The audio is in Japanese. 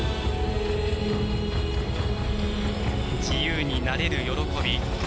自由になれる喜び。